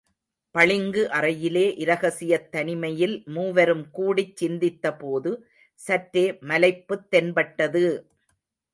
பளிங்கு அறையிலே இரகசியத் தனிமையில் மூவரும் கூடிச் சிந்தித்தபோது சற்றே மலைப்புத் தென்பட்டது!